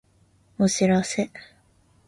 お知らせ